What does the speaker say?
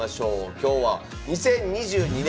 今日は２０２２年